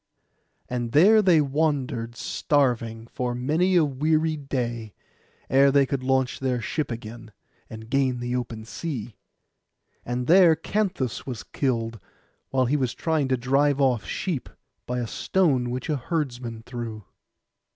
And there they wandered starving for many a weary day, ere they could launch their ship again, and gain the open sea. And there Canthus was killed, while he was trying to drive off sheep, by a stone which a herdsman threw.